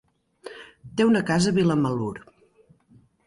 Té una casa a Vilamalur.